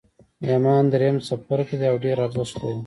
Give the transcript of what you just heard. ایمان درېیم څپرکی دی او ډېر ارزښت لري